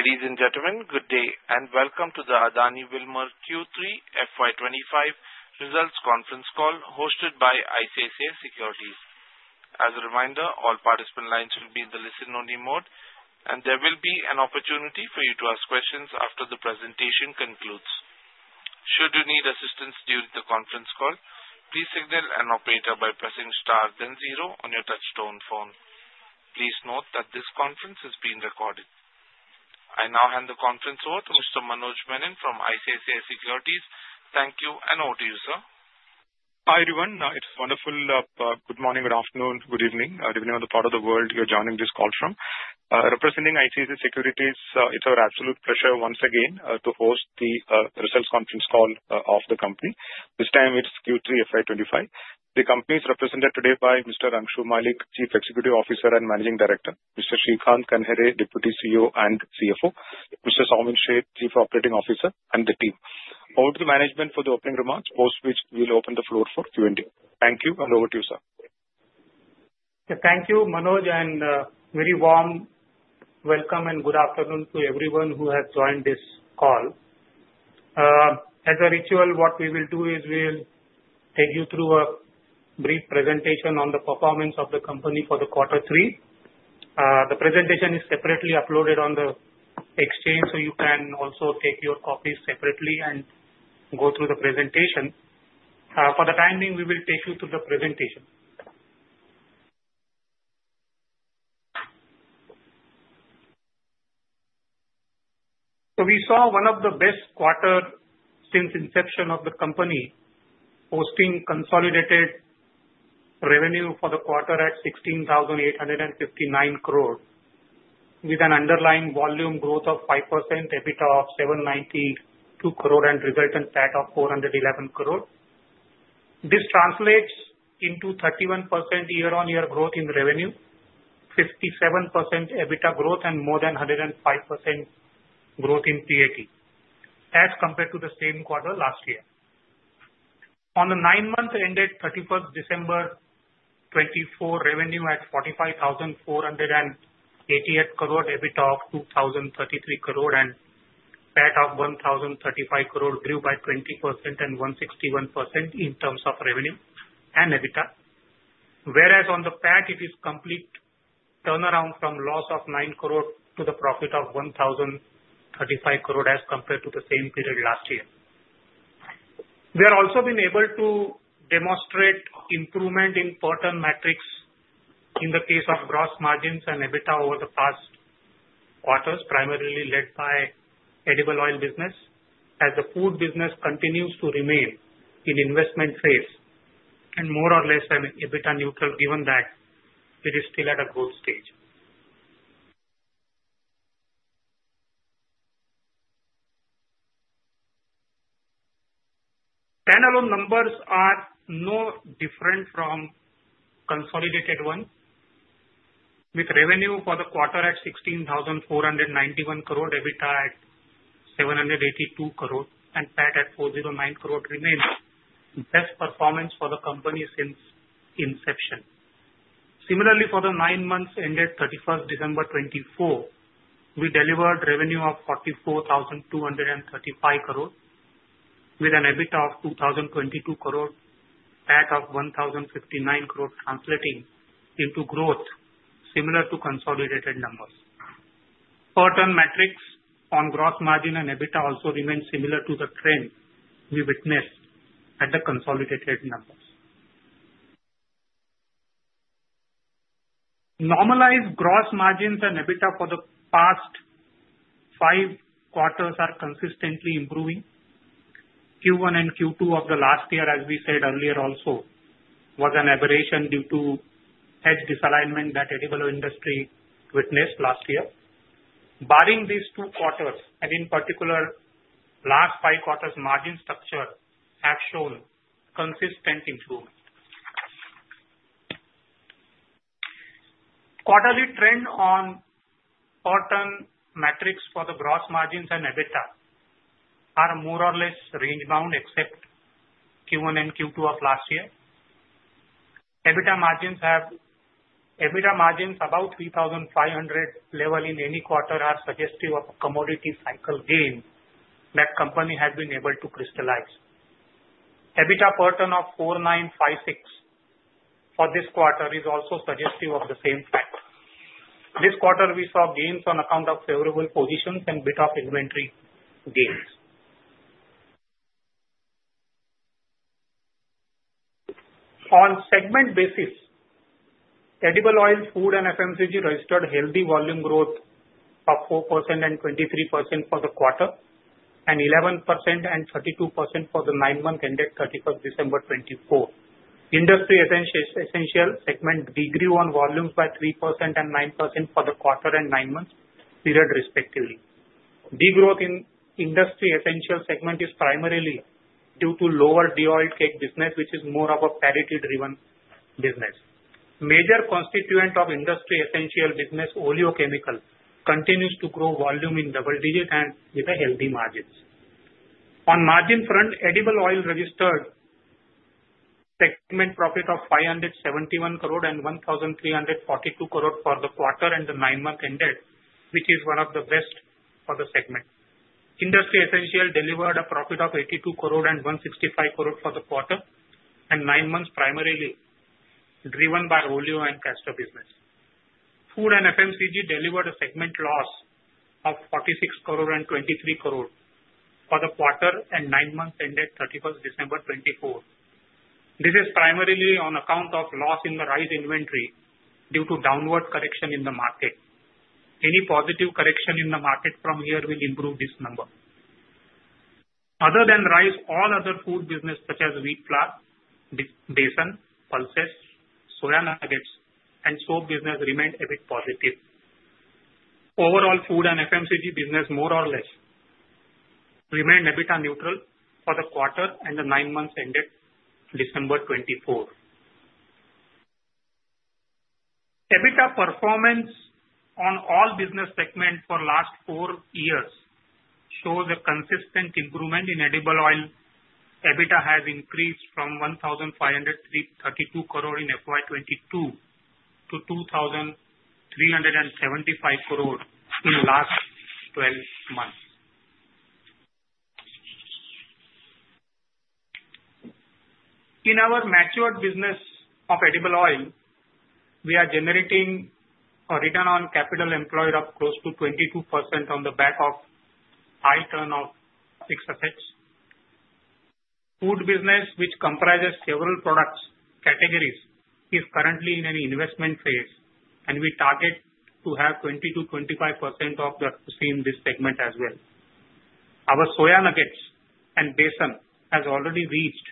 Ladies and gentlemen, good day, and welcome to the Adani Wilmar Q3 FY2025 Results Conference Call hosted by ICICI Securities. As a reminder, all participant lines will be in the listen-only mode, and there will be an opportunity for you to ask questions after the presentation concludes. Should you need assistance during the conference call, please signal an operator by pressing star then zero on your touch-tone phone. Please note that this conference is being recorded. I now hand the conference over to Mr. Manoj Menon from ICICI Securities. Thank you and over to you, sir. Hi everyone. It's wonderful. Good morning, good afternoon, good evening, depending on the part of the world you're joining this call from. Representing ICICI Securities, it's our absolute pleasure once again to host the Results Conference Call of the company. This time it's Q3 FY2025. The company is represented today by Mr. Angshu Mallick, Chief Executive Officer and Managing Director, Mr. Shrikant Kanhere, Deputy CEO and CFO, Mr. Saumin Sheth, Chief Operating Officer, and the team. Over to the management for the opening remarks, post which we'll open the floor for Q&A. Thank you, and over to you, sir. Thank you, Manoj, and very warm welcome and good afternoon to everyone who has joined this call. As a ritual, what we will do is we'll take you through a brief presentation on the performance of the company for the quarter three. The presentation is separately uploaded on the Exchange, so you can also take your copies separately and go through the presentation. For the time being, we will take you through the presentation. So we saw one of the best quarters since inception of the company, posting consolidated revenue for the quarter at 16,859 crore, with an underlying volume growth of 5%, EBITDA of 792 crore, and resultant PAT of 411 crore. This translates into 31% year-on-year growth in revenue, 57% EBITDA growth, and more than 105% growth in PAT as compared to the same quarter last year. On the nine-month end, 31st December 2024, revenue at 45,488 crore, EBITDA of 2,033 crore, and PAT of 1,035 crore grew by 20% and 161% in terms of revenue and EBITDA, whereas on the PAT, it is complete turnaround from loss of nine crore to the profit of 1,035 crore as compared to the same period last year. We have also been able to demonstrate improvement in quarter metrics in the case of gross margins and EBITDA over the past quarters, primarily led by edible oil business, as the food business continues to remain in investment phase and more or less EBITDA neutral, given that it is still at a growth stage. Standalone numbers are no different from consolidated ones, with revenue for the quarter at 16,491 crore, EBITDA at 782 crore, and PAT at 409 crore remains best performance for the company since inception. Similarly, for the nine-month end, 31st December 2024, we delivered revenue of 44,235 crore, with an EBITDA of 2,022 crore, PAT of 1,059 crore, translating into growth similar to consolidated numbers. Quarterly metrics on gross margin and EBITDA also remain similar to the trend we witnessed at the consolidated numbers. Normalized gross margins and EBITDA for the past five quarters are consistently improving. Q1 and Q2 of the last year, as we said earlier, also was an aberration due to hedge misalignment that edible oil industry witnessed last year. Barring these two quarters, and in particular, last five quarters' margin structure has shown consistent improvement. Quarterly trend on quarterly metrics for the gross margins and EBITDA are more or less range-bound, except Q1 and Q2 of last year. EBITDA margins above 3,500 level in any quarter are suggestive of a commodity cycle gain that the company has been able to crystallize. EBITDA per ton of 4,956 for this quarter is also suggestive of the same fact. This quarter, we saw gains on account of favorable positions and bit of inventory gains. On segment basis, edible oil, food, and FMCG registered healthy volume growth of 4% and 23% for the quarter, and 11% and 32% for the nine-month end at 31st December 2024. Industry Essentials segment decreased on volumes by 3% and 9% for the quarter and nine-month period, respectively. The growth in Industry Essentials segment is primarily due to lower de-oiled cake business, which is more of a parity-driven business. Major constituent of Industry Essentials business, oleochemicals, continues to grow volume in double digits and with healthy margins. On margin front, edible oil registered segment profit of 571 crore and 1,342 crore for the quarter and the nine-month ended, which is one of the best for the segment. Industry Essentials delivered a profit of 82 crore and 165 crore for the quarter and nine months, primarily driven by oleo and castor business. Food and FMCG delivered a segment loss of 46 crore and 23 crore for the quarter and nine-month end at 31st December 2024. This is primarily on account of loss in the rice inventory due to downward correction in the market. Any positive correction in the market from here will improve this number. Other than rice, all other food business, such as wheat flour, besan, pulses, soy nuggets, and soap business, remained a bit positive. Overall, food and FMCG business more or less remained EBITDA neutral for the quarter and the nine-month end at December 2024. EBITDA performance on all business segments for the last four years shows a consistent improvement in edible oil. EBITDA has increased from 1,532 crore in FY2022 to 2,375 crore in the last 12 months. In our mature business of edible oil, we are generating a return on capital employed of close to 22% on the back of high turn of fixed assets. Food business, which comprises several product categories, is currently in an investment phase, and we target to have 20%-25% ROCE seen in this segment as well. Our soy nuggets and besan have already reached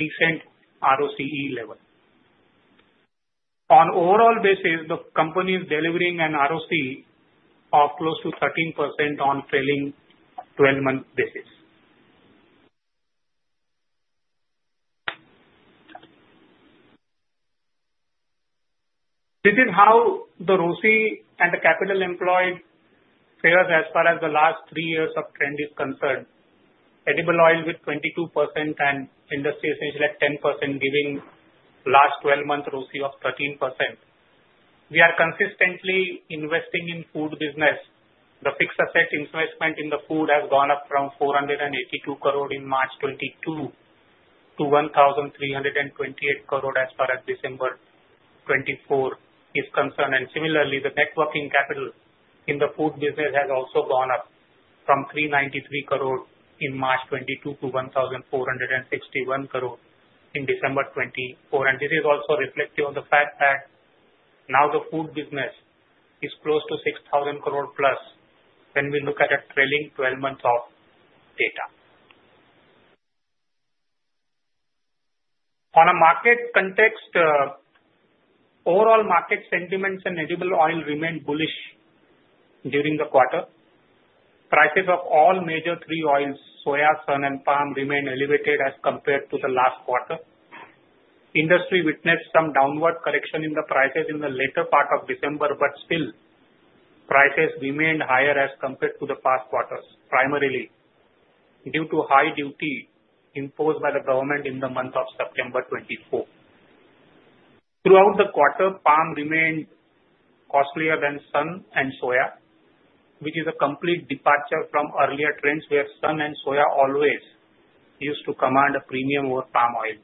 decent ROCE level. On overall basis, the company is delivering an ROCE of close to 13% on trailing 12-month basis. This is how the ROCE and the capital employed fare as far as the last three years of trend is concerned. Edible oil with 22% and Industry Essentials at 10%, giving last 12-month ROCE of 13%. We are consistently investing in food business. The fixed asset investment in the food has gone up from 482 crore in March 2022 to 1,328 crore as far as December 2024 is concerned. And similarly, the net working capital in the food business has also gone up from 393 crore in March 2022 to 1,461 crore in December 2024. And this is also reflective of the fact that now the food business is close to 6,000 crore plus when we look at a trailing 12-month data. On a market context, overall market sentiments in edible oil remained bullish during the quarter. Prices of all major three oils, soya, sun, and palm, remained elevated as compared to the last quarter. Industry witnessed some downward correction in the prices in the later part of December, but still, prices remained higher as compared to the past quarters, primarily due to high duty imposed by the government in the month of September 2024. Throughout the quarter, palm remained costlier than sun and soya, which is a complete departure from earlier trends where sun and soya always used to command a premium over palm oil.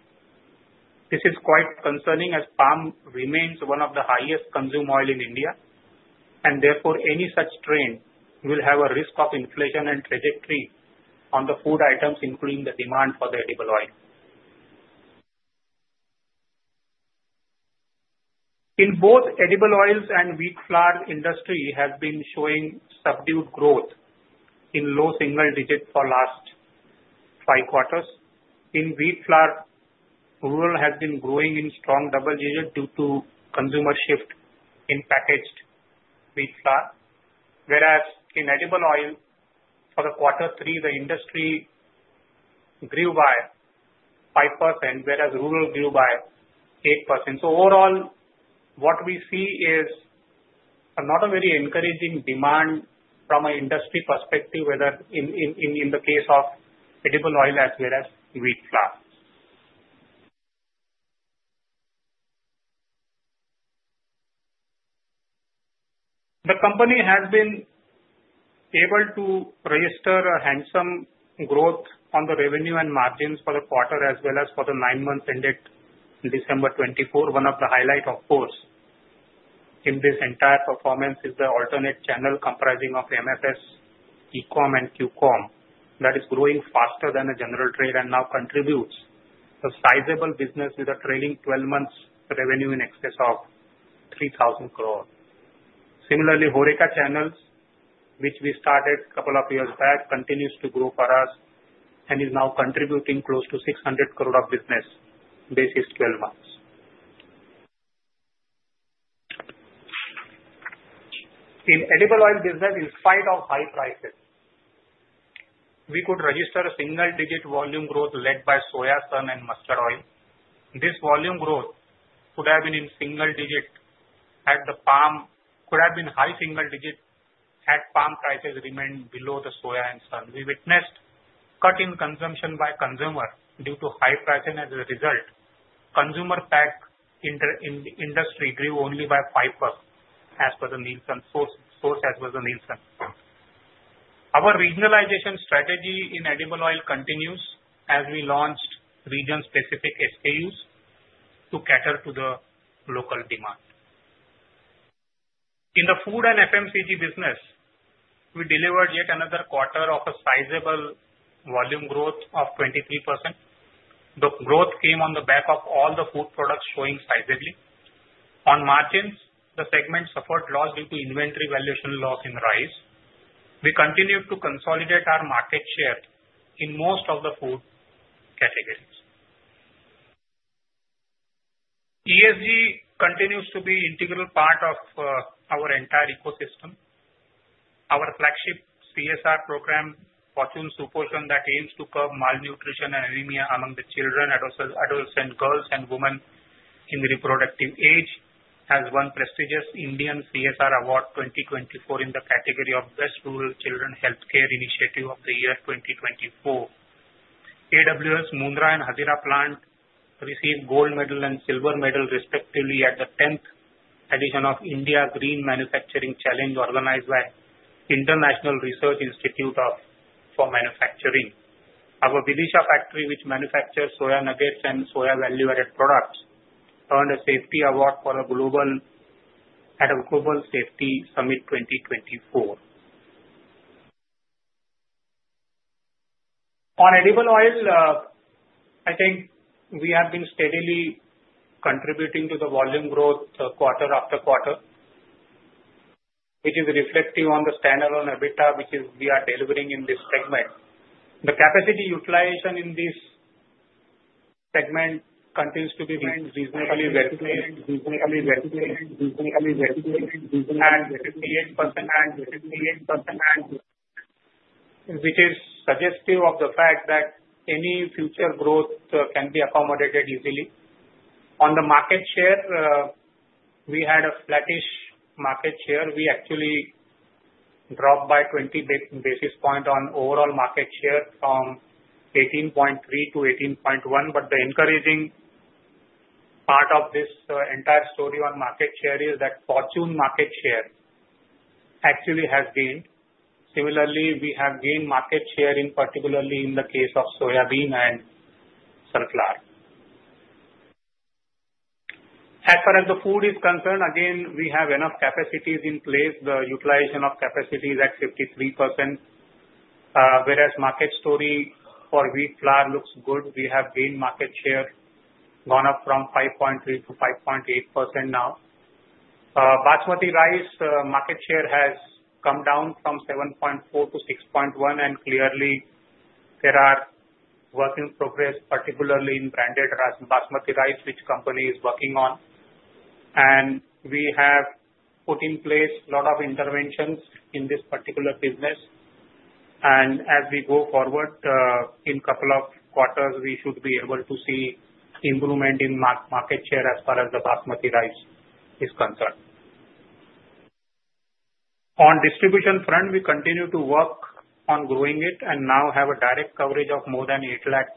This is quite concerning as palm remains one of the highest consumed oils in India, and therefore any such trend will have a risk of inflation and trajectory on the food items, including the demand for the edible oil. In both edible oils and wheat flour, industry has been showing subdued growth in low single digits for the last five quarters. In wheat flour, rural has been growing in strong double digits due to consumer shift in packaged wheat flour, whereas in edible oil, for the quarter three, the industry grew by 5%, whereas rural grew by 8%. So overall, what we see is not a very encouraging demand from an industry perspective, whether in the case of edible oil as well as wheat flour. The company has been able to register a handsome growth on the revenue and margins for the quarter as well as for the nine-month end at December 2024. One of the highlights, of course, in this entire performance is the alternate channel comprising of MFS, E-Com, and Q-Com that is growing faster than the general trade and now contributes a sizable business with a trailing 12-month revenue in excess of 3,000 crore. Similarly, HoReCa channels, which we started a couple of years back, continue to grow for us and is now contributing close to 600 crore of business basis 12 months. In edible oil business, in spite of high prices, we could register a single-digit volume growth led by soya, sun, and mustard oil. This volume growth could have been in single digit at the palm. Could have been high single digit at palm prices remained below the soya and sun. We witnessed cut-in consumption by consumer due to high pricing. As a result, consumer Pack industry grew only by 5% as per the Nielsen source. Our regionalization strategy in edible oil continues as we launched region-specific SKUs to cater to the local demand. In the food and FMCG business, we delivered yet another quarter of a sizable volume growth of 23%. The growth came on the back of all the food products showing sizably. On margins, the segment suffered loss due to inventory valuation loss in rice. We continued to consolidate our market share in most of the food categories. ESG continues to be an integral part of our entire ecosystem. Our flagship CSR program, Fortune Support Fund, that aims to curb malnutrition and anemia among the children, adolescent girls, and women in the reproductive age, has won prestigious Indian CSR Award 2024 in the category of Best Rural Children Healthcare Initiative of the Year 2024. AWL, Mundra, and Hazira Plant received gold medal and silver medal, respectively, at the 10th edition of India Green Manufacturing Challenge organized by the International Research Institute for Manufacturing. Our Vidisha factory, which manufactures soya nuggets and soya value-added products, earned a safety award at a Global Safety Summit 2024. On edible oil, I think we have been steadily contributing to the volume growth quarter after quarter, which is reflective on the standalone EBITDA which we are delivering in this segment. The capacity utilization in this segment continues to be reasonably and which is suggestive of the fact that any future growth can be accommodated easily. On the market share, we had a flattish market share. We actually dropped by 20 basis points on overall market share from 18.3% to 18.1%. But the encouraging part of this entire story on market share is that Fortune market share actually has gained. Similarly, we have gained market share, particularly in the case of soybean and sunflower. As far as the food is concerned, again, we have enough capacities in place. The utilization of capacity is at 53%, whereas the market story for wheat flour looks good. We have gained market share, gone up from 5.3% to 5.8% now. Basmati rice market share has come down from 7.4% to 6.1%, and clearly, there are work in progress, particularly in branded Basmati rice, which the company is working on. And we have put in place a lot of interventions in this particular business. And as we go forward, in a couple of quarters, we should be able to see improvement in market share as far as the Basmati rice is concerned. On distribution front, we continue to work on growing it and now have a direct coverage of more than 8 lakh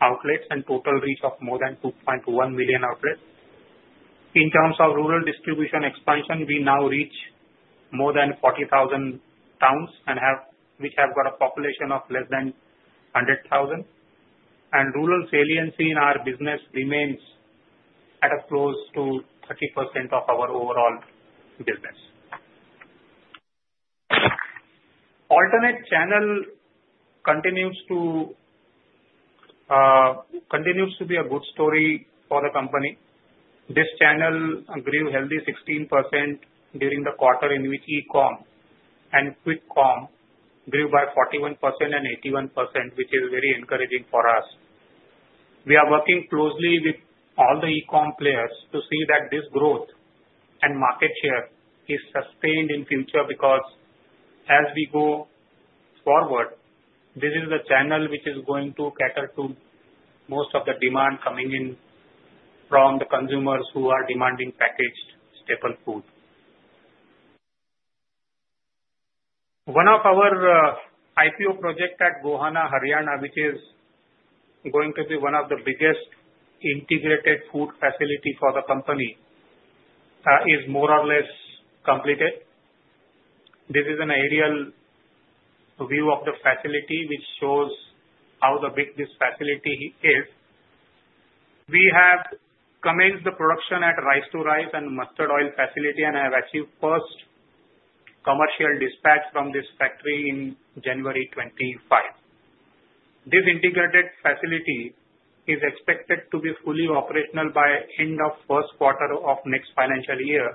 outlets and a total reach of more than 2.1 million outlets. In terms of rural distribution expansion, we now reach more than 40,000 towns, which have got a population of less than 100,000. Rural saliency in our business remains at close to 30% of our overall business. Alternate channel continues to be a good story for the company. This channel grew healthy 16% during the quarter in which E-Com and Q-Com grew by 41% and 81%, which is very encouraging for us. We are working closely with all the E-Com players to see that this growth and market share is sustained in the future because as we go forward, this is the channel which is going to cater to most of the demand coming in from the consumers who are demanding packaged staple food. One of our IPO projects at Gohana, Haryana, which is going to be one of the biggest integrated food facilities for the company, is more or less completed. This is an aerial view of the facility, which shows how big this facility is. We have commenced the production at rice-to-rice and mustard oil facility and have achieved first commercial dispatch from this factory in January 2025. This integrated facility is expected to be fully operational by the end of the first quarter of the next financial year.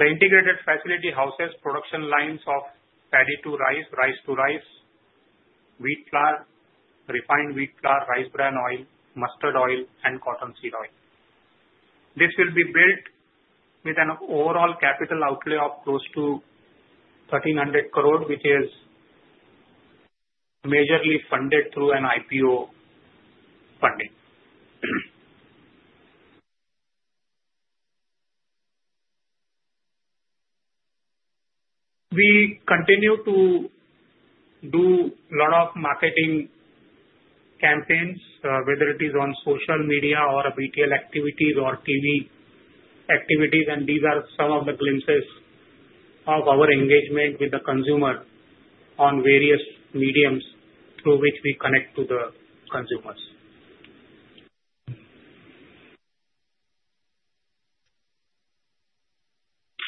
The integrated facility houses production lines of paddy-to-rice, rice-to-rice, wheat flour, refined wheat flour, rice bran oil, mustard oil, and cottonseed oil. This will be built with an overall capital outlay of close to 1,300 crore, which is majorly funded through an IPO funding. We continue to do a lot of marketing campaigns, whether it is on social media or BTL activities or TV activities, and these are some of the glimpses of our engagement with the consumer on various mediums through which we connect to the consumers.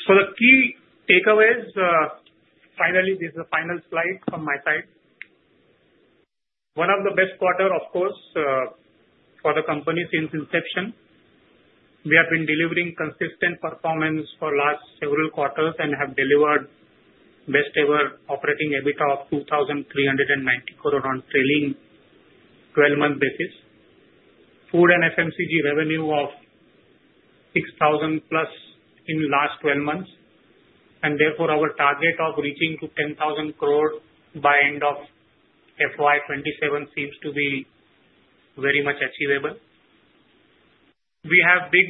So the key takeaways, finally, this is the final slide from my side. One of the best quarters, of course, for the company since inception. We have been delivering consistent performance for the last several quarters and have delivered best-ever operating EBITDA of 2,390 crore on a trailing 12-month basis. Food and FMCG revenue of 6,000 plus in the last 12 months. Therefore, our target of reaching 10,000 crore by the end of FY2027 seems to be very much achievable. We have a big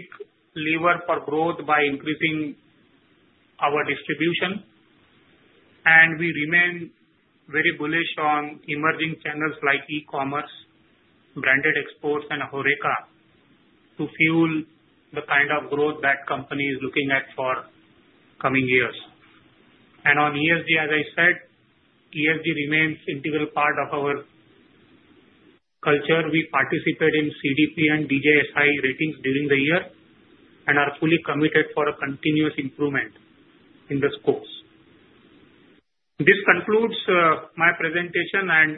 lever for growth by increasing our distribution, and we remain very bullish on emerging channels like e-commerce, branded exports, and HoReCa to fuel the kind of growth that the company is looking at for the coming years. On ESG, as I said, ESG remains an integral part of our culture. We participate in CDP and DJSI ratings during the year and are fully committed for continuous improvement in the scores. This concludes my presentation, and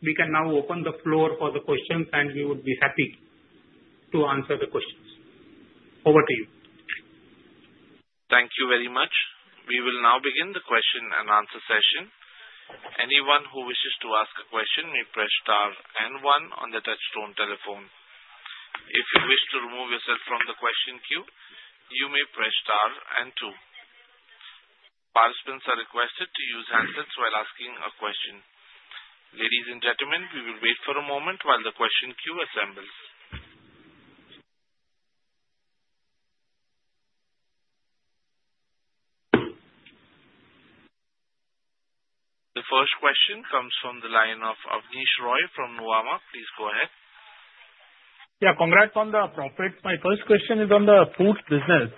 we can now open the floor for the questions, and we would be happy to answer the questions. Over to you. Thank you very much. We will now begin the question and answer session. Anyone who wishes to ask a question may press star and one on the touchtone telephone. If you wish to remove yourself from the question queue, you may press star and two. Participants are requested to use handsets while asking a question. Ladies and gentlemen, we will wait for a moment while the question queue assembles. The first question comes from the line of Abneesh Roy from Nuvama. Please go ahead. Yeah, congrats on the profit. My first question is on the food business.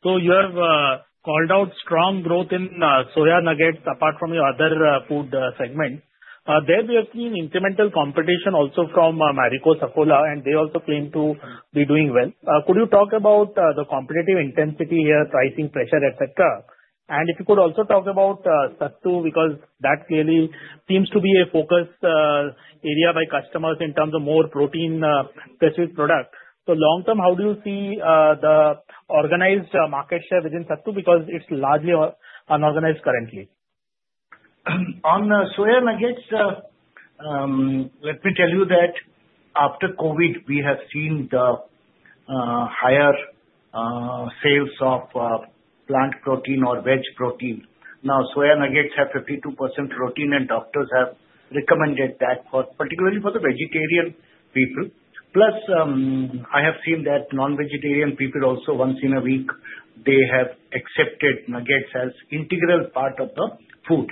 So you have called out strong growth in soya nuggets apart from your other food segment. There has been incremental competition also from Marico Saffola, and they also claim to be doing well. Could you talk about the competitive intensity here, pricing pressure, etc., and if you could also talk about Sattu, because that clearly seems to be a focus area by customers in terms of more protein-specific products, so long term, how do you see the organized market share within Sattu because it's largely unorganized currently? On the soya nuggets, let me tell you that after COVID, we have seen the higher sales of plant protein or veg protein. Now, soya nuggets have 52% protein, and doctors have recommended that, particularly for the vegetarian people. Plus, I have seen that non-vegetarian people also, once in a week, they have accepted nuggets as an integral part of the food.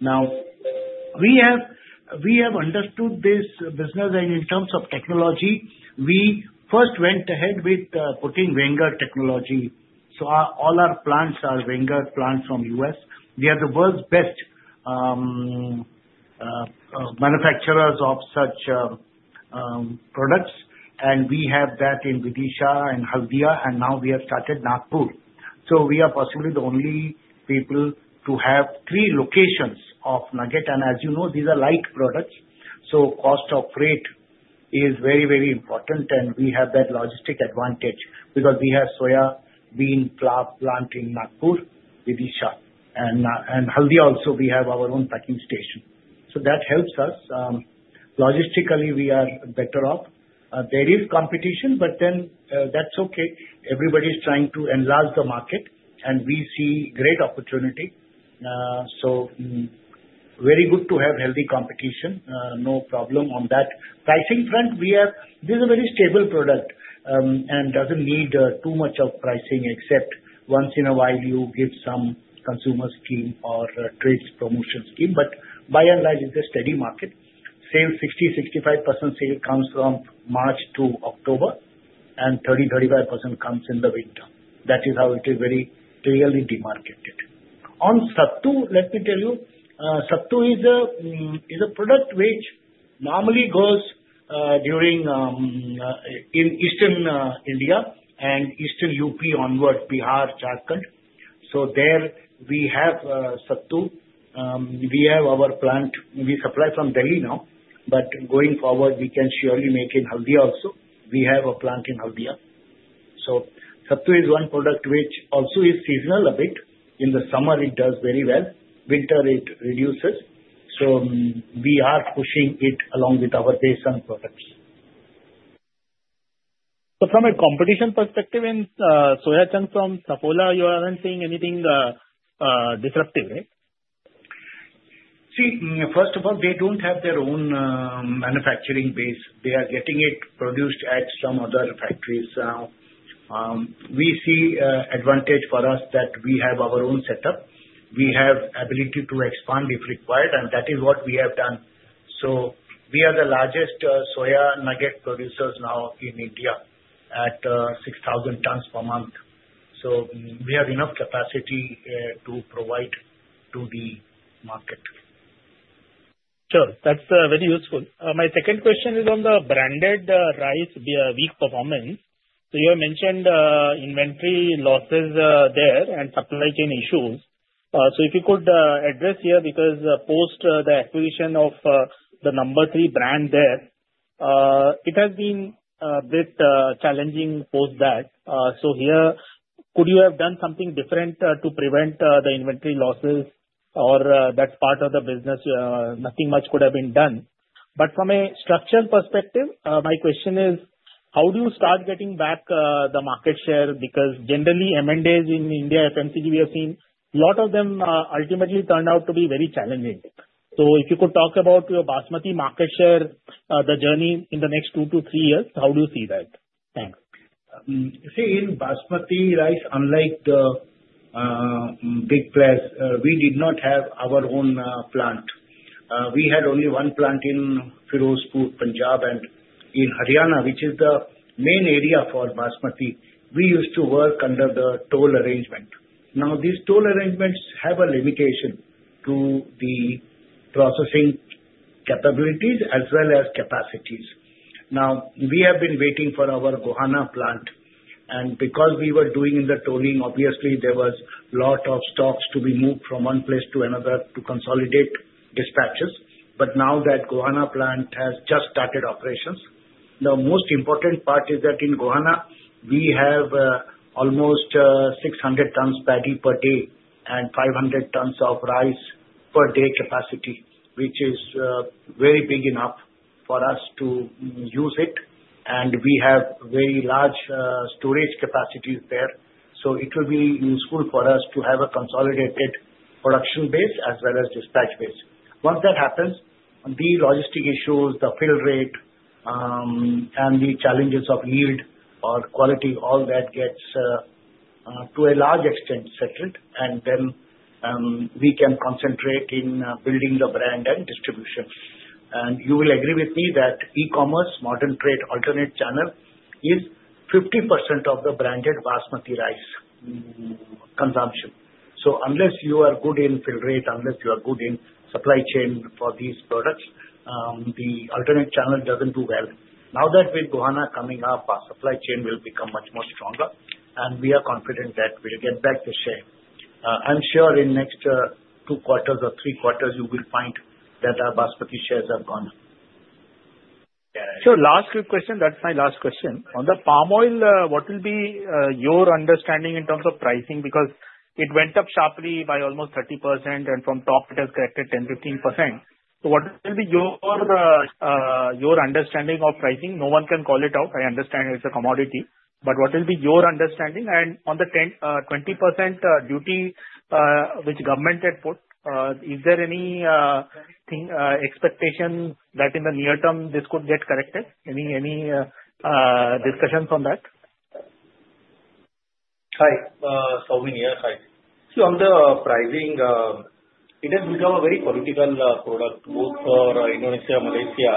Now, we have understood this business, and in terms of technology, we first went ahead with putting Wenger technology. So all our plants are Wenger plants from the US. They are the world's best manufacturers of such products, and we have that in Vidisha and Haldia, and now we have started Nagpur. So we are possibly the only people to have three locations of nuggets. And as you know, these are light products, so cost of freight is very, very important, and we have that logistic advantage because we have soya bean plant in Nagpur, Vidisha, and Haldia also, we have our own packing station. So that helps us. Logistically, we are better off. There is competition, but then that's okay. Everybody is trying to enlarge the market, and we see great opportunity. So very good to have healthy competition. No problem on that. pricing front, we have. This is a very stable product and doesn't need too much of pricing, except once in a while you give some consumer scheme or trade promotion scheme. But by and large, it's a steady market. Sales 60%-65% sales comes from March to October, and 30%-35% comes in the winter. That is how it is very clearly demarcated. On Sattu, let me tell you, Sattu is a product which normally goes in Eastern India and Eastern UP onward, Bihar, Jharkhand. So there we have Sattu. We have our plant. We supply from Delhi now, but going forward, we can surely make it in Haldia also. We have a plant in Haldia. So Sattu is one product which also is seasonal a bit. In the summer, it does very well. Winter, it reduces. So we are pushing it along with our baseline products. So from a competition perspective in soya chunks from Saffola, you aren't seeing anything disruptive, right? See, first of all, they don't have their own manufacturing base. They are getting it produced at some other factories. We see an advantage for us that we have our own setup. We have the ability to expand if required, and that is what we have done. So we are the largest soya nugget producers now in India at 6,000 tons per month. So we have enough capacity to provide to the market. Sure. That's very useful. My second question is on the branded rice weak performance. So you have mentioned inventory losses there and supply chain issues. So if you could address here because post the acquisition of the number three brand there, it has been a bit challenging post that. So here, could you have done something different to prevent the inventory losses or that part of the business? Nothing much could have been done. But from a structural perspective, my question is, how do you start getting back the market share? Because generally, M&As in India, FMCG, we have seen a lot of them ultimately turn out to be very challenging. So if you could talk about your Basmati market share, the journey in the next two to three years, how do you see that? Thanks. See, in Basmati rice, unlike the big players, we did not have our own plant. We had only one plant in Ferozepur, Punjab, and in Haryana, which is the main area for Basmati. We used to work under the toll arrangement. Now, these toll arrangements have a limitation to the processing capabilities as well as capacities. Now, we have been waiting for our Gohana plant, and because we were doing the tolling, obviously, there was a lot of stocks to be moved from one place to another to consolidate dispatches, but now that Gohana plant has just started operations, the most important part is that in Gohana, we have almost 600 tons paddy per day and 500 tons of rice per day capacity, which is very big enough for us to use it. And we have very large storage capacities there, so it will be useful for us to have a consolidated production base as well as dispatch base. Once that happens, the logistic issues, the fill rate, and the challenges of yield or quality, all that gets to a large extent settled, and then we can concentrate in building the brand and distribution. And you will agree with me that e-commerce, modern trade alternate channel is 50% of the branded Basmati Rice consumption. So unless you are good in fill rate, unless you are good in supply chain for these products, the alternate channel doesn't do well. Now that with Gohana coming up, our supply chain will become much more stronger, and we are confident that we'll get back the share. I'm sure in the next two quarters or three quarters, you will find that our Basmati shares have gone. Sure. Last quick question. That's my last question. On the palm oil, what will be your understanding in terms of pricing? Because it went up sharply by almost 30%, and from top, it has corrected 10%-15%. So what will be your understanding of pricing? No one can call it out. I understand it's a commodity. But what will be your understanding? On the 20% duty which the government had put, is there any expectation that in the near term this could get corrected? Any discussions on that? Hi. So many years. See, on the pricing, it has become a very political product, both for Indonesia and Malaysia.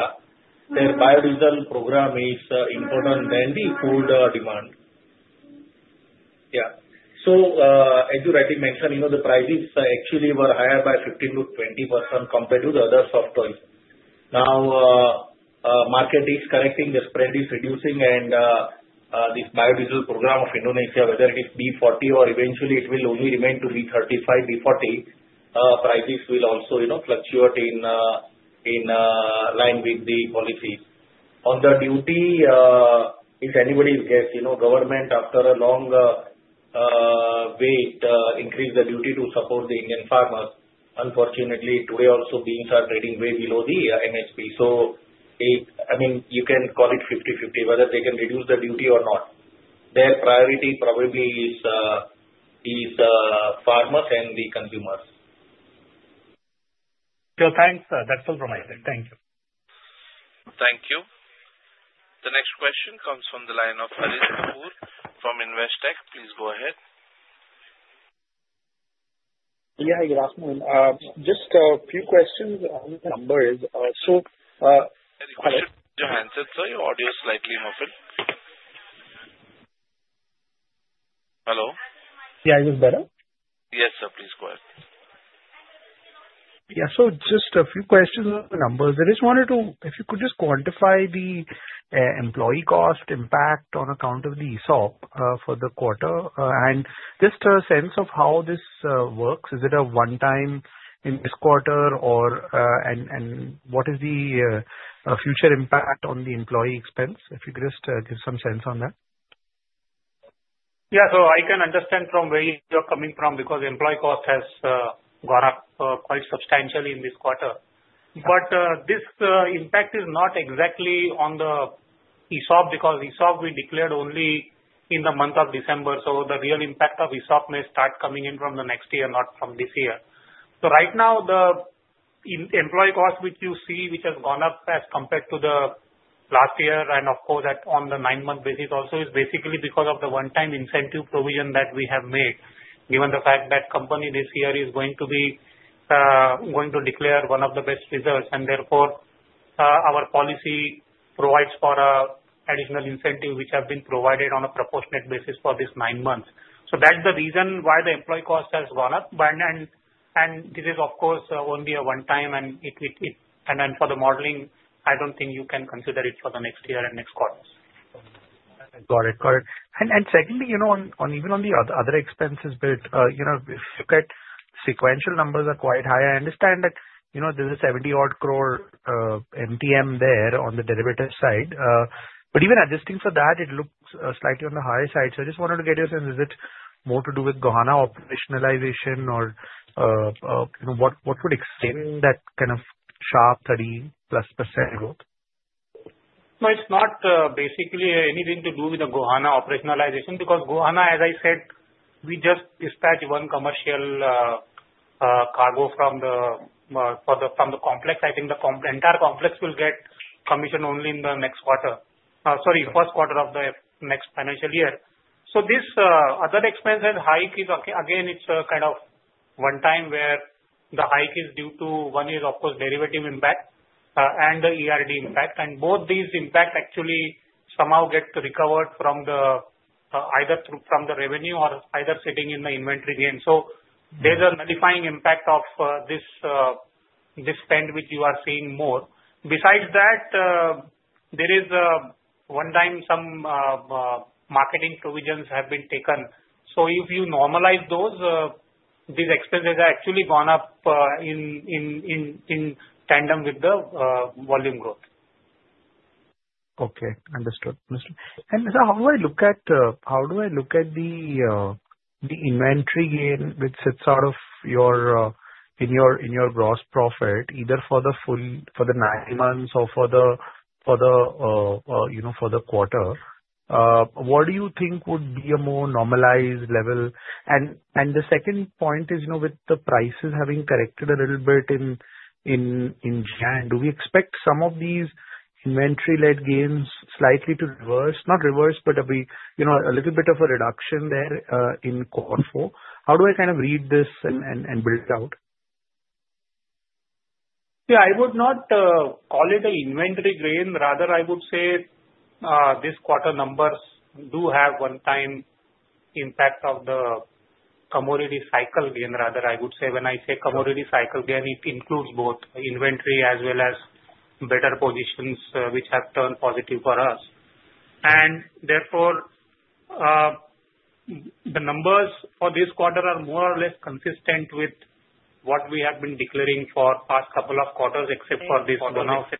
Their biodiesel program is important and the food demand. Yeah. So as you rightly mentioned, the prices actually were higher by 15%-20% compared to the other soft oils. Now, market is correcting. The spread is reducing, and this biodiesel program of Indonesia, whether it is B40 or eventually it will only remain to be B35 or B40, prices will also fluctuate in line with the policies. On the duty, it's anybody's guess. Government after a long wait increased the duty to support the Indian farmers. Unfortunately, today also beans are trading way below the MSP. So I mean, you can call it 50/50, whether they can reduce the duty or not. Their priority probably is farmers and the consumers. So thanks. That's all from my side. Thank you. Thank you. The next question comes from the line of Harit Kapoor from Investec. Please go ahead. Yeah, you're asking me. Just a few questions on the numbers. So you answered. Sorry, your audio is slightly muffled. Hello? Yeah, is this better? Yes, sir. Please go ahead. Yeah. So just a few questions on the numbers. I just wanted to, if you could just quantify the employee cost impact on account of the ESOP for the quarter and just a sense of how this works. Is it a one-time in this quarter, and what is the future impact on the employee expense? If you could just give some sense on that. Yeah. So I can understand from where you are coming from because employee cost has gone up quite substantially in this quarter. But this impact is not exactly on the ESOP because ESOP we declared only in the month of December. So the real impact of ESOP may start coming in from the next year, not from this year. So right now, the employee cost which you see which has gone up as compared to the last year, and of course, on the nine-month basis also is basically because of the one-time incentive provision that we have made, given the fact that company this year is going to declare one of the best results. And therefore, our policy provides for additional incentives which have been provided on a proportionate basis for this nine months. So that's the reason why the employee cost has gone up. And this is, of course, only a one-time, and for the modeling, I don't think you can consider it for the next year and next quarters. Got it. Got it. And secondly, even on the other expenses, if you look at sequential numbers, they are quite high. I understand that there's 70-odd crore MTM there on the derivative side. But even adjusting for that, it looks slightly on the higher side. So I just wanted to get your sense. Is it more to do with Gohana operationalization, or what would extend that kind of sharp 30-plus% growth? No, it's not basically anything to do with the Gohana operationalization because Gohana, as I said, we just dispatched one commercial cargo from the complex. I think the entire complex will get commissioned only in the next quarter. Sorry, first quarter of the next financial year. So this other expense has hiked. Again, it's a kind of one-time where the hike is due to one is, of course, derivative impact and the ERD impact. And both these impacts actually somehow get recovered either from the revenue or either sitting in the inventory gain. So there's a nullifying impact of this spend which you are seeing more. Besides that, there is one-time some marketing provisions have been taken. So if you normalize those, these expenses have actually gone up in tandem with the volume growth. Okay. Understood. Understood. And sir, how do I look at the inventory gain which sits out of your gross profit, either for the full, for the nine months or for the quarter? What do you think would be a more normalized level? The second point is with the prices having corrected a little bit in January, do we expect some of these inventory-led gains slightly to reverse? Not reverse, but a little bit of a reduction there in quarter four? How do I kind of read this and build it out? Yeah. I would not call it an inventory gain. Rather, I would say these quarter numbers do have one-time impact of the commodity cycle gain. Rather, I would say when I say commodity cycle gain, it includes both inventory as well as better positions which have turned positive for us. And therefore, the numbers for this quarter are more or less consistent with what we have been declaring for the past couple of quarters, except for this one of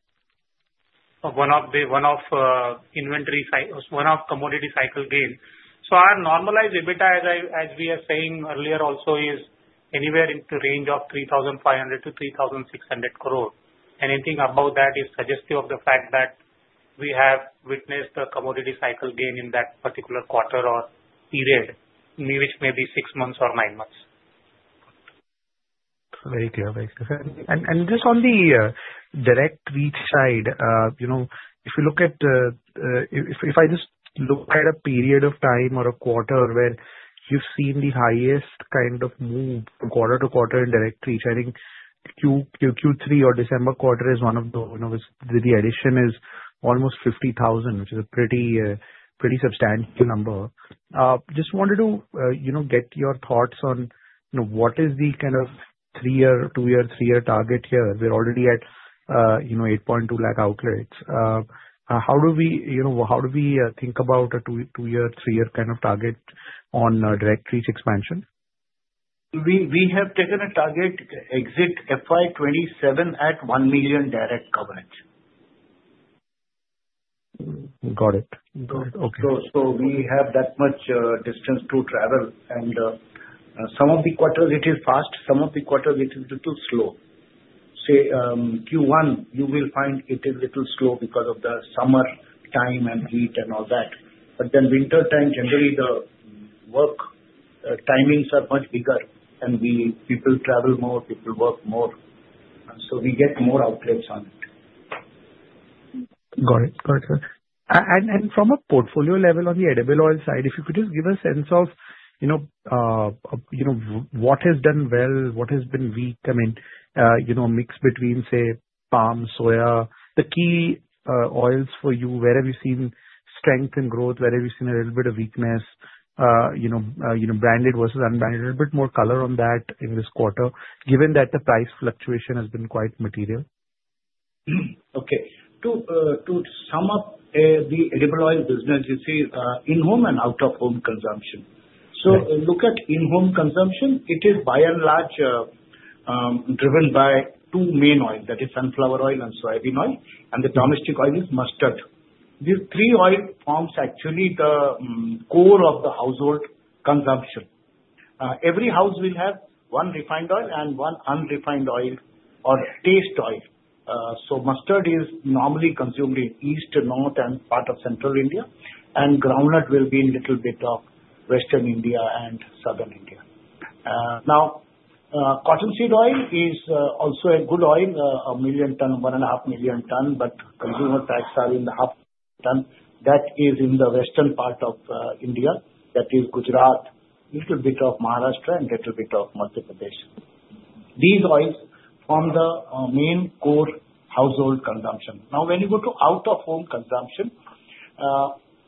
inventory cycle, one of commodity cycle gain. So our normalized EBITDA, as we are saying earlier, also is anywhere in the range of 3,500 crore to 3,600 crore. Anything above that is suggestive of the fact that we have witnessed the commodity cycle gain in that particular quarter or period, which may be six months or nine months. Very clear. Thanks. And just on the direct reach side, if I just look at a period of time or a quarter where you've seen the highest kind of move from quarter to quarter in direct reach, I think Q3 or December quarter is one of the addition is almost 50,000, which is a pretty substantial number. Just wanted to get your thoughts on what is the kind of three-year, two-year, three-year target here. We're already at 8.2 lakh outlets. How do we think about a two-year, three-year kind of target on direct reach expansion? We have taken a target exit FY2027 at 1 million direct coverage. Got it. Got it. Okay. So we have that much distance to travel. And some of the quarters, it is fast. Some of the quarters, it is a little slow. Say Q1, you will find it is a little slow because of the summer time and heat and all that. But then wintertime, generally, the work timings are much bigger, and people travel more, people work more. So we get more outlets on it. Got it. Got it. From a portfolio level on the edible oil side, if you could just give a sense of what has done well, what has been weak, I mean, mix between, say, palm, soya, the key oils for you, where have you seen strength and growth, where have you seen a little bit of weakness, branded versus unbranded, a little bit more color on that in this quarter, given that the price fluctuation has been quite material? Okay. To sum up the edible oil business, you see in-home and out-of-home consumption. So look at in-home consumption. It is by and large driven by two main oils. That is sunflower oil and soybean oil. And the domestic oil is mustard. These three oils form actually the core of the household consumption. Every house will have one refined oil and one unrefined oil or taste oil. Mustard is normally consumed in east, north, and part of central India. And groundnut will be a little bit of western India and southern India. Now, cottonseed oil is also a good oil, a million ton, one and a half million ton, but consumer prices are in the half ton. That is in the western part of India. That is Gujarat, a little bit of Maharashtra, and a little bit of Madhya Pradesh. These oils form the main core household consumption. Now, when you go to out-of-home consumption,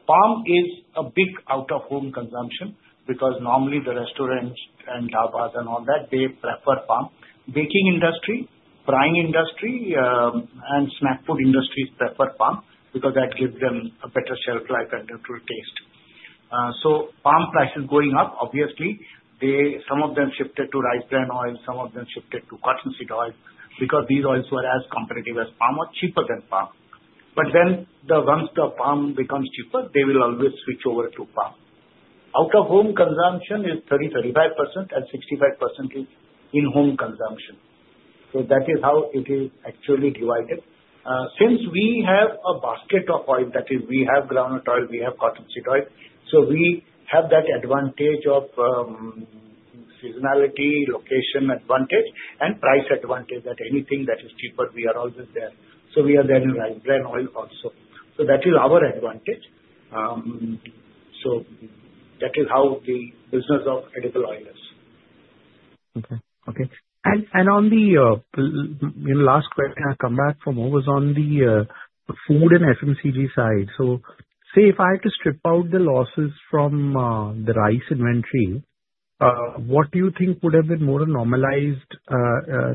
palm is a big out-of-home consumption because normally the restaurants and dhabas and all that, they prefer palm. Baking industry, frying industry, and snack food industries prefer palm because that gives them a better shelf life and natural taste. So palm prices going up, obviously, some of them shifted to rice bran oil, some of them shifted to cottonseed oil because these oils were as competitive as palm or cheaper than palm. But then once the palm becomes cheaper, they will always switch over to palm. Out-of-home consumption is 30%-35%, and 65% is in-home consumption. So that is how it is actually divided. Since we have a basket of oil, that is, we have groundnut oil, we have cottonseed oil, so we have that advantage of seasonality, location advantage, and price advantage that anything that is cheaper, we are always there. So we are there in rice bran oil also. So that is our advantage. So that is how the business of edible oil is. Okay. Okay. And on the last question, I'll come back from what was on the food and FMCG side. So, say if I had to strip out the losses from the rice inventory, what do you think would have been more a normalized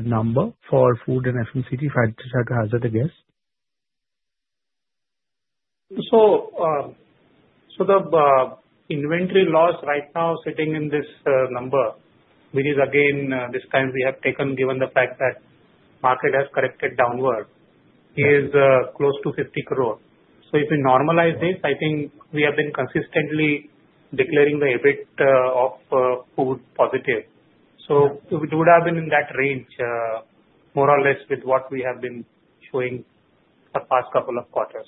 number for food and FMCG if I had to hazard a guess? So the inventory loss right now sitting in this number, which is again, this time we have taken, given the fact that market has corrected downward, is close to 50 crore. So if we normalize this, I think we have been consistently declaring the EBIT of food positive. So it would have been in that range, more or less, with what we have been showing for the past couple of quarters.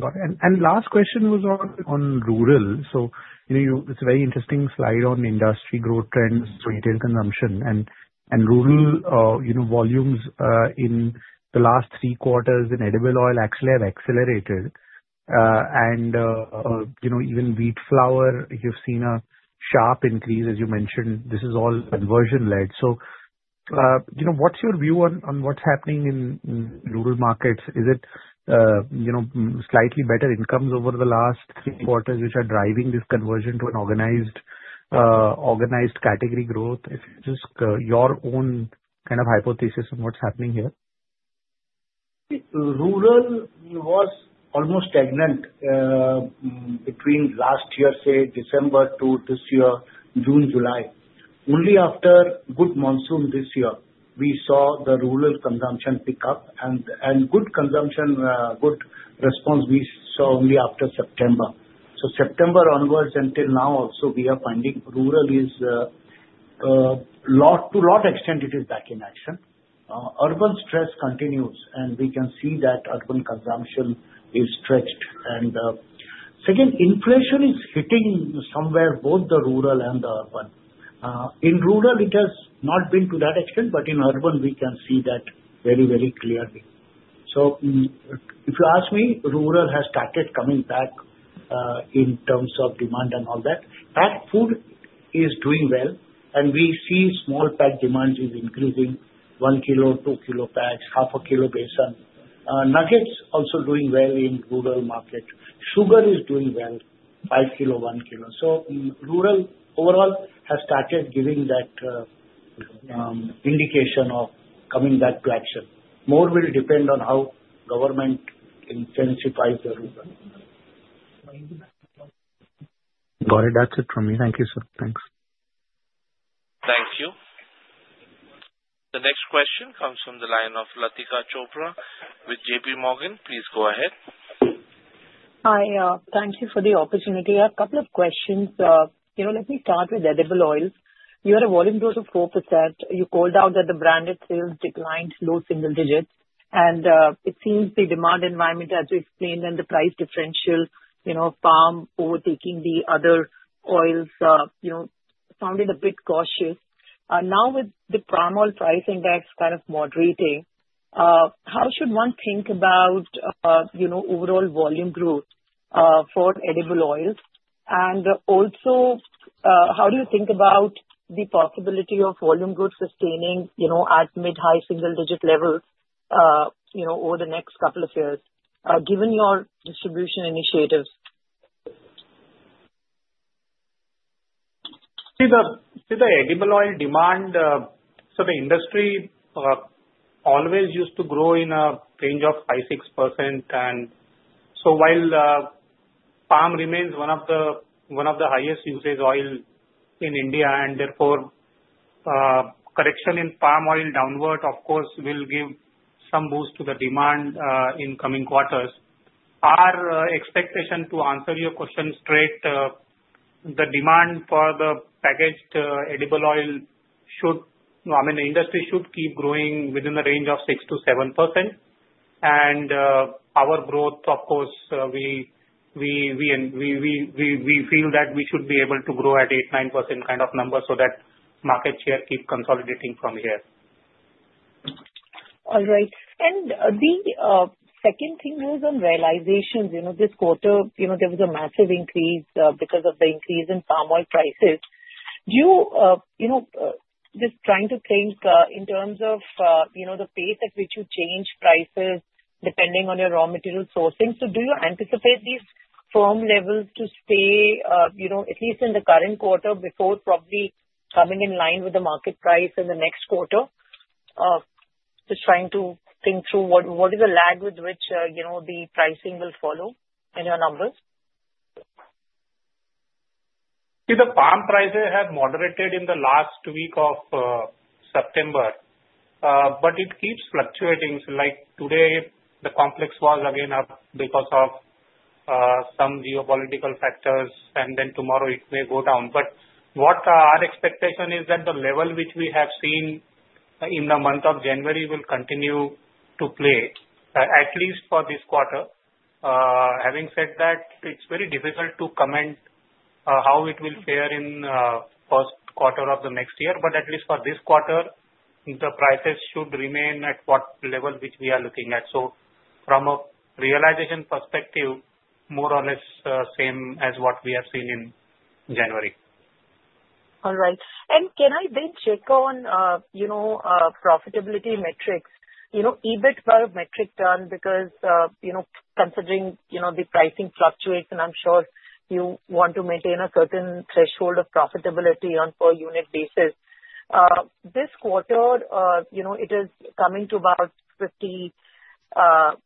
Got it. And last question was on rural. So it's a very interesting slide on industry growth trends, retail consumption. And rural volumes in the last three quarters in edible oil actually have accelerated. Even wheat flour, you've seen a sharp increase, as you mentioned. This is all conversion-led. What's your view on what's happening in rural markets? Is it slightly better incomes over the last three quarters which are driving this conversion to an organized category growth? Just your own kind of hypothesis on what's happening here. Rural was almost stagnant between last year, say, December to this year, June, July. Only after good monsoon this year, we saw the rural consumption pick up. Good response we saw only after September. September onwards until now, also we are finding rural is to a large extent, it is back in action. Urban stress continues, and we can see that urban consumption is stretched. Second, inflation is hitting somewhat both the rural and the urban. In rural, it has not been to that extent, but in urban, we can see that very, very clearly. So if you ask me, rural has started coming back in terms of demand and all that. Packed food is doing well, and we see small pack demand is increasing, one kilo, two kilo packs, half a kilo besan. Nuggets also doing well in rural market. Sugar is doing well, five kilo, one kilo. So rural overall has started giving that indication of coming back to action. More will depend on how government intensifies the rural. Got it. That's it from me. Thank you, sir. Thanks. Thank you. The next question comes from the line of Latika Chopra with J.P. Morgan. Please go ahead. Hi. Thank you for the opportunity. I have a couple of questions. Let me start with edible oil. You had a volume growth of 4%. You called out that the branded sales declined low single digits. And it seems the demand environment, as you explained, and the price differential, palm overtaking the other oils, sounded a bit cautious. Now, with the palm oil price index kind of moderating, how should one think about overall volume growth for edible oils? And also, how do you think about the possibility of volume growth sustaining at mid-high single digit levels over the next couple of years, given your distribution initiatives? See, the edible oil demand, so the industry always used to grow in a range of 5-6%. And so while palm remains one of the highest usage oil in India, and therefore correction in palm oil downward, of course, will give some boost to the demand in coming quarters. Our expectation, to answer your question straight, the demand for the packaged edible oil should, I mean, the industry should keep growing within the range of 6-7%. And our growth, of course, we feel that we should be able to grow at 8-9% kind of number so that market share keep consolidating from here. All right. And the second thing was on realizations. This quarter, there was a massive increase because of the increase in palm oil prices. Just trying to think in terms of the pace at which you change prices depending on your raw material sourcing. So do you anticipate these firm levels to stay at least in the current quarter before probably coming in line with the market price in the next quarter? Just trying to think through what is the lag with which the pricing will follow in your numbers. See, the palm prices have moderated in the last week of September, but it keeps fluctuating. So like today, the complex was again up because of some geopolitical factors, and then tomorrow it may go down. But what our expectation is that the level which we have seen in the month of January will continue to play, at least for this quarter. Having said that, it's very difficult to comment how it will fare in the first quarter of the next year, but at least for this quarter, the prices should remain at what level which we are looking at. So from a realization perspective, more or less same as what we have seen in January. All right. And can I then check on profitability metrics? EBIT per metric ton because considering the pricing fluctuates, and I'm sure you want to maintain a certain threshold of profitability on a per-unit basis. This quarter, it is coming to about 5,800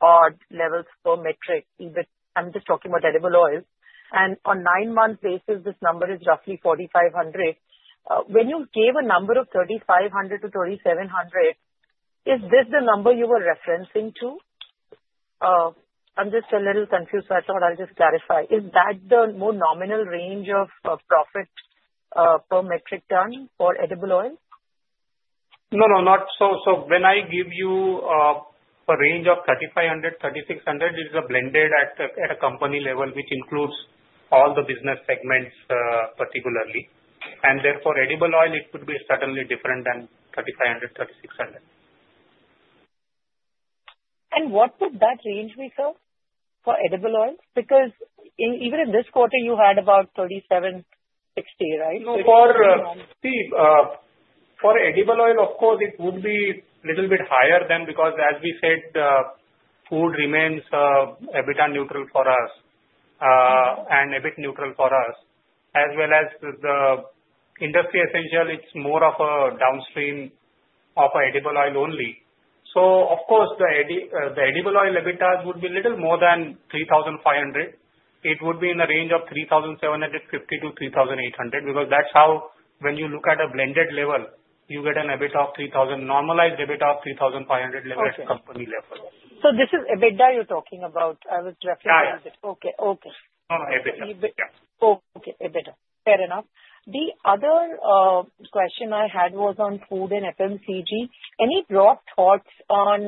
odd levels per metric ton. I'm just talking about edible oil. And on a nine-month basis, this number is roughly 4,500. When you gave a number of 3,500-3,700, is this the number you were referencing to? I'm just a little confused, so I thought I'll just clarify. Is that the more nominal range of profit per metric ton for edible oil? No, no, not so. So when I give you a range of 3,500-3,600, it is a blended at a company level which includes all the business segments particularly. And therefore, edible oil, it would be certainly different than 3,500-3,600. And what would that range be for edible oil? Because even in this quarter, you had about 3,760, right? So it's a little bit more. See, for edible oil, of course, it would be a little bit higher than because, as we said, food remains EBITDA neutral for us and EBIT neutral for us. As well as the Industry Essentials, it's more of a downstream of edible oil only. So of course, the edible oil EBITDAs would be a little more than 3,500. It would be in the range of 3,750-3,800 because that's how, when you look at a blended level, you get an EBIT of 3,000, normalized EBIT of 3,500 level at company level. So this is EBITDA you're talking about. I was referring to EBITDA. Okay. Okay. EBITDA. Yeah. Okay. EBITDA. Fair enough. The other question I had was on food and FMCG. Any thoughts on,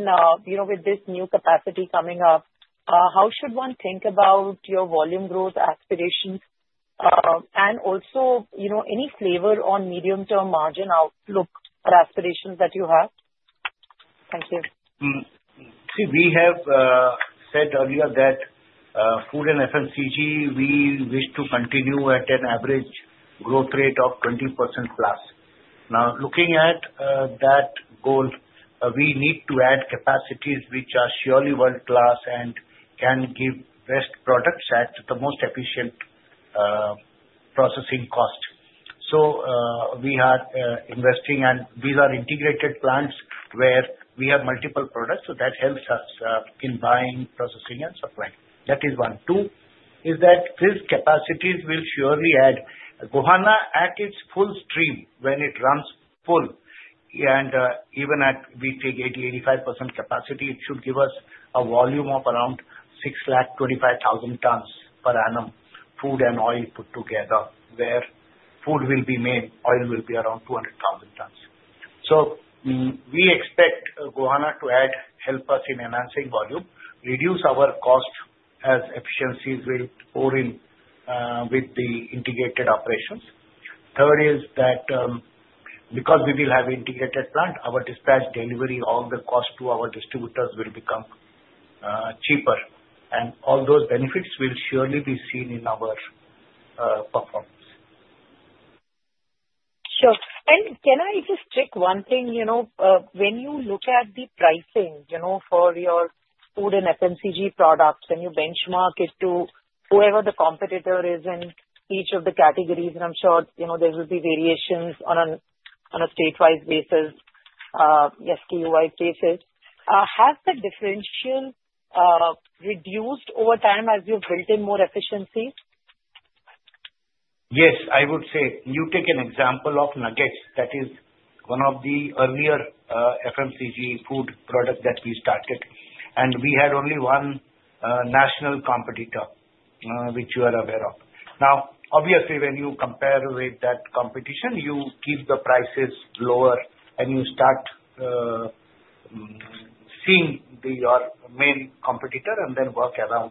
with this new capacity coming up, how should one think about your volume growth aspirations? And also, any flavor on medium-term margin outlook or aspirations that you have? Thank you. See, we have said earlier that food and FMCG, we wish to continue at an average growth rate of 20% plus. Now, looking at that goal, we need to add capacities which are surely world-class and can give best products at the most efficient processing cost. So we are investing, and these are integrated plants where we have multiple products, so that helps us in buying, processing, and supply. That is one. Two is that these capacities will surely add. Gohana at its full steam when it runs full. Even if we take 80%-85% capacity, it should give us a volume of around 625,000 tons per annum food and oil put together, where food will be made, oil will be around 200,000 tons. We expect Gohana to help us in enhancing volume, reduce our cost as efficiencies will pour in with the integrated operations. Third is that because we will have integrated plant, our dispatch delivery, all the cost to our distributors will become cheaper. All those benefits will surely be seen in our performance. Sure. Can I just check one thing? When you look at the pricing for your food and FMCG products and you benchmark it to whoever the competitor is in each of the categories, and I'm sure there will be variations on a statewide basis, SKU-wide basis, has the differential reduced over time as you've built in more efficiencies? Yes, I would say. You take an example of nuggets. That is one of the earlier FMCG food products that we started. And we had only one national competitor which you are aware of. Now, obviously, when you compare with that competition, you keep the prices lower and you start seeing your main competitor and then work around.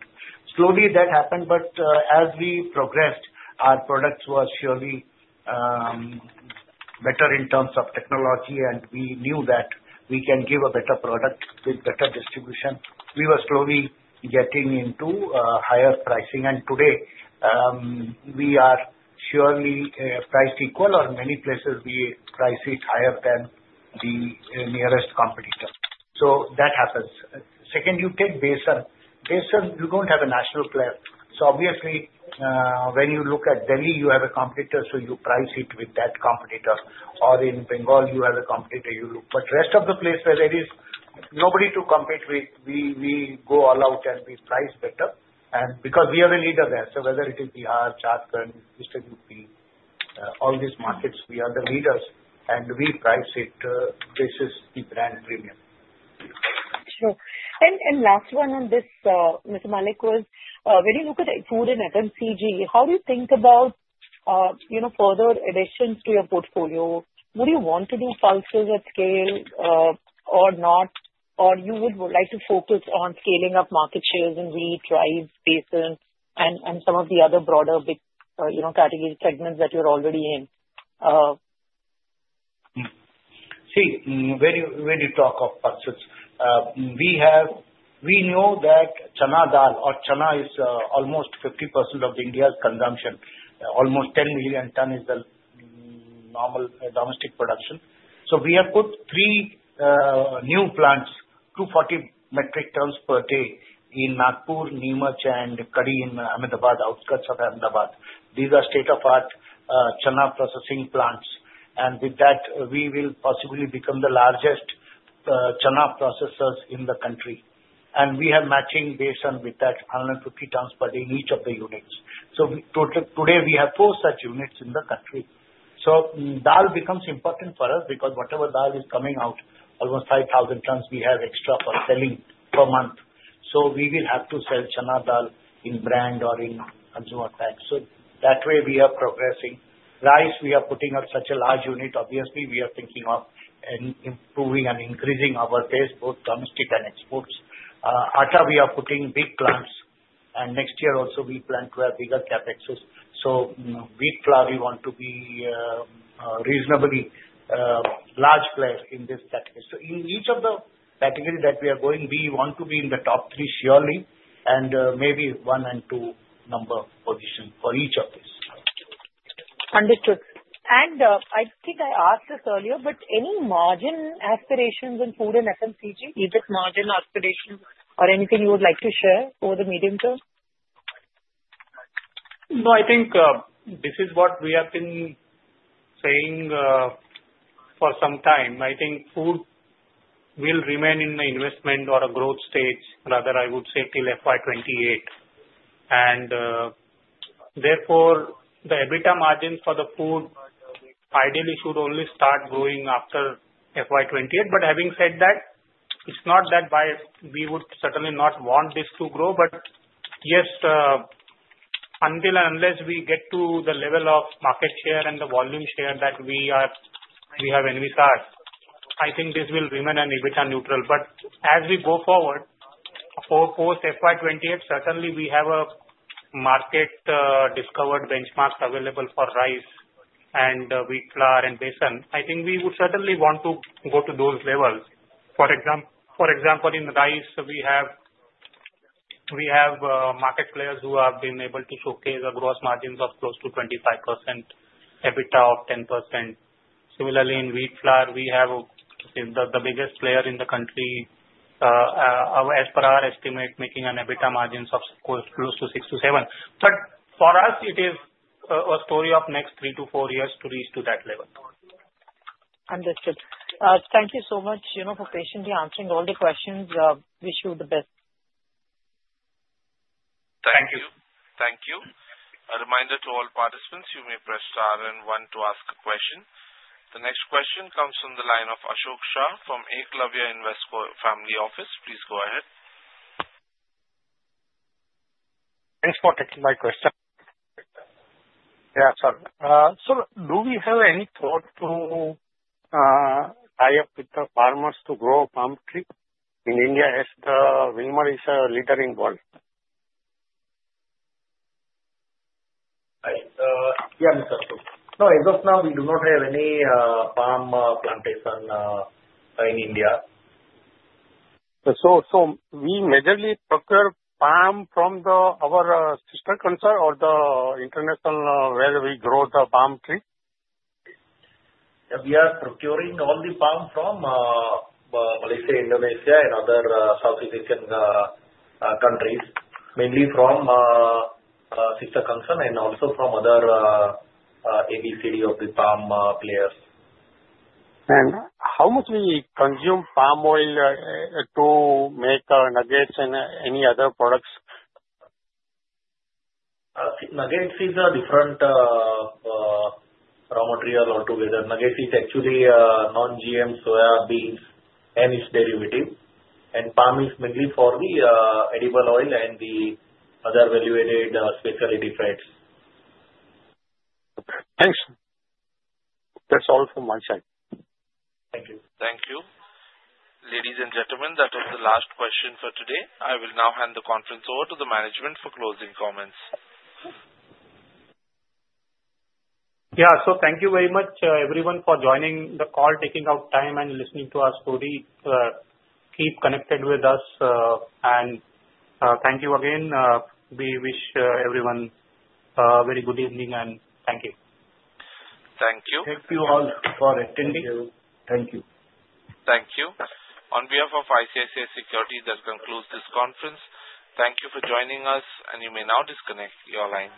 Slowly, that happened, but as we progressed, our products were surely better in terms of technology, and we knew that we can give a better product with better distribution. We were slowly getting into higher pricing. And today, we are surely priced equal, or in many places, we price it higher than the nearest competitor. So that happens. Second, you take besan. Besan, you don't have a national player. So obviously, when you look at Delhi, you have a competitor, so you price it with that competitor. Or in Bengal, you have a competitor. But rest of the place, there is nobody to compete with. We go all out and we price better. And because we are the leader there, so whether it is Bihar, Jharkhand, East UP, all these markets, we are the leaders. And we price it basis the brand premium. Sure. And last one on this, Mr. Mallick, was when you look at food and FMCG, how do you think about further additions to your portfolio? Would you want to do pulses at scale or not, or you would like to focus on scaling up market shares in wheat, rice, besan, and some of the other broader big category segments that you're already in? See, when you talk of pulses, we know that Chana Dal, or Chana is almost 50% of India's consumption. Almost 10 million tons is the normal domestic production. So we have put three new plants, 240 metric tons per day in Nagpur, Neemuch, and Kadi in Ahmedabad, outskirts of Ahmedabad. These are state-of-the-art Chana processing plants. And with that, we will possibly become the largest Chana processors in the country. And we have matching bagging with that, 150 tons per day in each of the units. So today, we have four such units in the country. So dal becomes important for us because whatever dal is coming out, almost 5,000 tons, we have extra for selling per month. So we will have to sell Chana Dal in brand or in consumer packs. So that way, we are progressing. Rice, we are putting up such a large unit. Obviously, we are thinking of improving and increasing our base, both domestic and exports. Atta, we are putting big plants. And next year, also, we plan to have bigger CapEx. So wheat flour, we want to be a reasonably large player in this category. So in each of the categories that we are going, we want to be in the top three surely, and maybe one and two number position for each of these. Understood. And I think I asked this earlier, but any margin aspirations in food and FMCG? EBIT margin aspirations or anything you would like to share over the medium term? No, I think this is what we have been saying for some time. I think food will remain in the investment or a growth stage, rather, I would say till FY2028. And therefore, the EBITDA margin for the food ideally should only start growing after FY2028. But having said that, it's not that we would certainly not want this to grow. But yes, until and unless we get to the level of market share and the volume share that we have envisaged, I think this will remain an EBITDA neutral. But as we go forward, post FY2028, certainly we have market discovered benchmarks available for rice and wheat flour and besan. I think we would certainly want to go to those levels. For example, in rice, we have market players who have been able to showcase a gross margin of close to 25%, EBITDA of 10%. Similarly, in wheat flour, we have the biggest player in the country, as per our estimate, making an EBITDA margin of close to 6%-7%. But for us, it is a story of next three to four years to reach to that level. Understood. Thank you so much for patiently answering all the questions. Wish you the best. Thank you. Thank you. A reminder to all participants, you may press star and one to ask a question. The next question comes from the line of Ashok Shah from Eklavya Capital. Please go ahead. Thanks for taking my question. Yeah, sorry. So do we have any thought to tie up with the farmers to grow a palm tree in India as the Wilmar is a leader in the world? Yeah, Mr. Ashok. No, as of now, we do not have any palm plantation in India. So we majorly procure palm from our sister concern or the international where we grow the palm tree? We are procuring all the palm from, let's say, Indonesia and other Southeast Asian countries, mainly from sister concern and also from other ABCD of the palm players. And how much we consume palm oil to make nuggets and any other products? Nuggets is a different raw material altogether. Nuggets is actually non-GM soya beans and its derivative. And palm is mainly for the edible oil and the other value-added specialty fats. Thanks. That's all from my side. Thank you. Thank you. Ladies and gentlemen, that was the last question for today. I will now hand the conference over to the management for closing comments. Yeah. So thank you very much, everyone, for joining the call, taking out time, and listening to our story. Keep connected with us. And thank you again. We wish everyone a very good evening, and thank you. Thank you. Thank you all for attending. Thank you. Thank you. Thank you. On behalf of ICICI Securities, that concludes this conference. Thank you for joining us, and you may now disconnect. Your line.